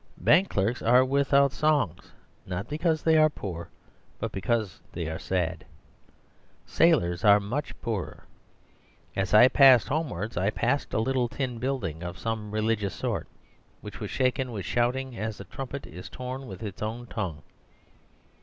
Bank clerks are without songs, not because they are poor, but because they are sad. Sailors are much poorer. As I passed homewards I passed a little tin building of some religious sort, which was shaken with shouting as a trumpet is torn with its own tongue.